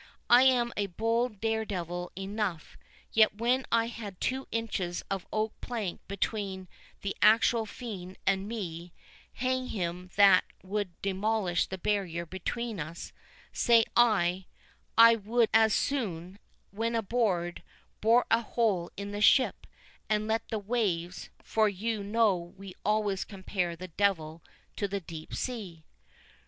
"I am a bold dare devil enough, yet when I had two inches of oak plank between the actual fiend and me, hang him that would demolish the barrier between us, say I—I would as soon, when aboard, bore a hole in the ship, and let in the waves; for you know we always compare the devil to the deep sea."